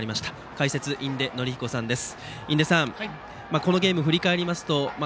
解説、印出順彦さんです。